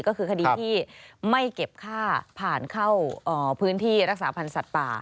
ก็คือคดีที่ไม่เก็บค่าผ่านเข้าพื้นที่รักษาพันธ์สัตว์ป่า